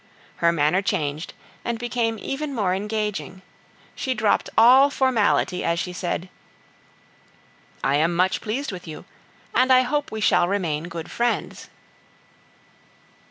Her manner changed and became even more engaging; she dropped all formality as she said: "I am much pleased with you, and I hope we shall remain good friends."